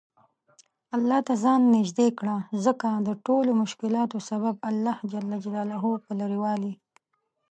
الله ته ځان نیژدې کړه ځکه دټولومشکلاتو سبب له الله ج په لرې والي